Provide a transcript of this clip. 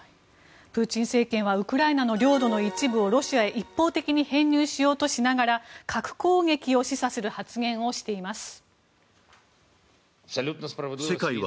プーチン政権はウクライナの領土の一部をロシアに一方的に編入しようとしながら核攻撃を示唆する発言をしています。